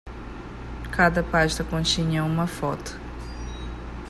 Cada pasta continha uma foto.